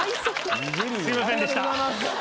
すいませんでした！